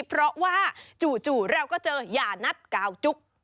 เพราะว่าจู่เราก็เจออย่านัดกาวจุ๊ก